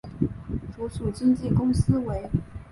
所属经纪公司为。